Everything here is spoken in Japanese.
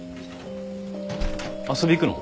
遊び行くの？